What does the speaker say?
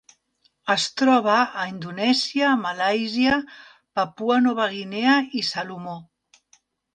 Es troba a Indonèsia, Malàisia, Papua Nova Guinea i Salomó.